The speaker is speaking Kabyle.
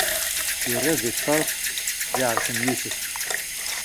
Irra di ṭṭerf lɛerc n Yusef.